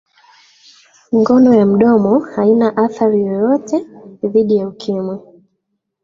ngono ya mdomo haina athari yoyote dhidi ya ukimwi